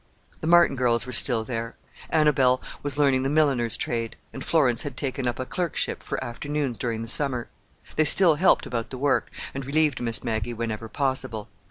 The Martin girls were still there. Annabelle was learning the milliner's trade, and Florence had taken a clerkship for afternoons during the summer. They still helped about the work, and relieved Miss Maggie whenever possible.